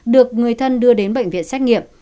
được người thân đưa đến bệnh viện xét nghiệm